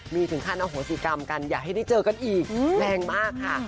มีถึงขั้นอโหสิกรรมกันอย่าให้ได้เจอกันอีกแรงมากค่ะ